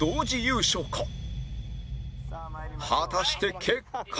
果たして結果は？